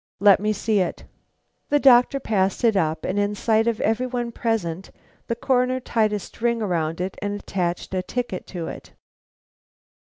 "Let me see it." The doctor passed it up, and in sight of every one present the Coroner tied a string around it and attached a ticket to it.